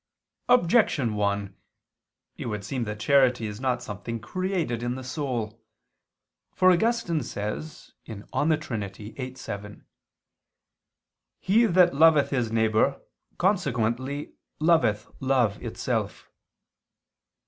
Objection 1: It would seem that charity is not something created in the soul. For Augustine says (De Trin. viii, 7): "He that loveth his neighbor, consequently, loveth love itself."